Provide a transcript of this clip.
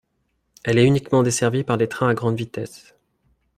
Elle est uniquement desservie par des trains à grande vitesse.